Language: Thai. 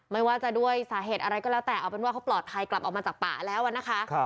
ไม่ว่าจะด้วยสาเหตุอะไรก็แล้วแต่เอาเป็นว่าเขาปลอดภัยกลับออกมาจากป่าแล้วนะคะ